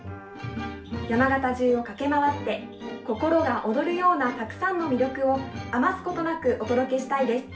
山形中を駆け回って心が躍るようなたくさんの魅力を余すことなくお届けしたいです。